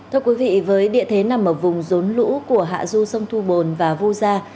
thưa quý vị với địa thế nằm ở vùng rốn lũ của hạ du sông thu bồn và vu gia